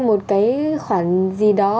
một cái khoản gì đó